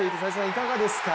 いかがですか？